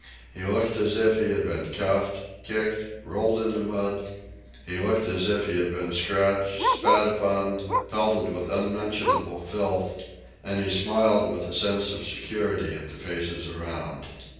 He looked as if he had been cuffed, kicked, rolled in the mud; he looked as if he had been scratched, spat upon, pelted with unmentionable filth... and he smiled with a sense of security at the faces around.